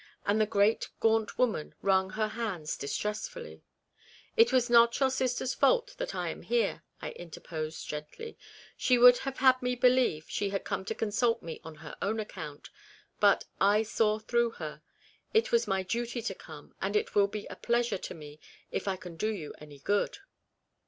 And the great gaunt woman wrung her hands distressfully. " It was not your sister's fault that I am here," I interposed gently. " She would have had me believe she had come to consult me on her own account, but I saw through her. It was my duty to come, and it will be a pleasure to me if I can do you any good."